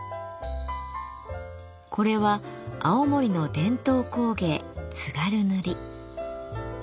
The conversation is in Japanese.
これは青森の伝統工芸